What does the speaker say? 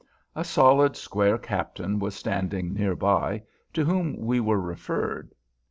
A solid, square captain was standing near by, to whom we were referred.